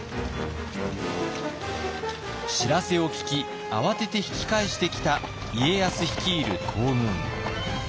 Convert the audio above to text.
知らせを聞き慌てて引き返してきた家康率いる東軍。